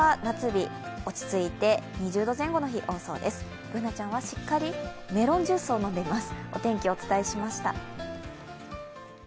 Ｂｏｏｎａちゃんはしっかりメロンジュースを飲んでいます。